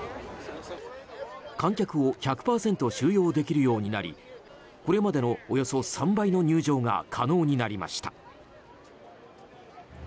観客を１００％収容できるようになりこれまでの、およそ３倍の入場が可能になりました。